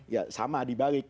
ya sama dibalik